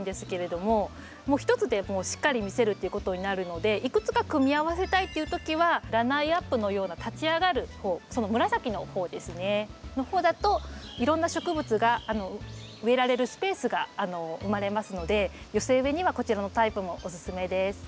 もう一つでしっかり見せるっていうことになるのでいくつか組み合わせたいっていう時はラナイアップのような立ち上がる方その紫の方ですねの方だといろんな植物が植えられるスペースが生まれますので寄せ植えにはこちらのタイプもおすすめです。